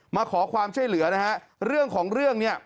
มาขอความช่วยเหลือนะฮะเรื่องของเรื่องเนี่ย